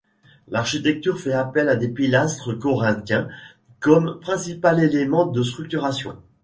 L'architecture fait appel à des pilastres corinthiens comme principal élément de structuration.